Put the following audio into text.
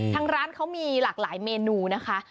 ทางร้านเขามีหลากหลายเมนูนะคะ